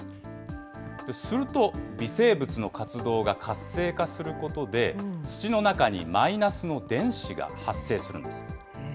すると、微生物の活動が活性化することで、土の中にマイナスの電子が発生するんです。